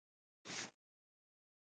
میرمنې اوړه په کشپ اچولي وو او کشپ روان شو